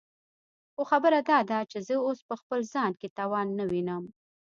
خو خبره داده چې زه اوس په خپل ځان کې توان نه وينم.